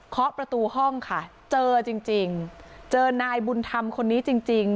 ขอประตูห้องค่ะเจอจริงจริงเจอนายบุญธรรมคนนี้จริงจริง